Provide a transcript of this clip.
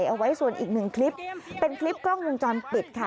เอาไว้ส่วนอีกหนึ่งคลิปเป็นคลิปกล้องวงจรปิดค่ะ